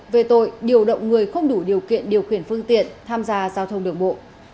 về tội điều động người không đủ điều kiện điều khiển phương tiện tham gia giao thông đường bộ